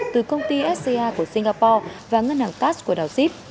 từ công ty sca của singapore và ngân hàng cash của đào xíp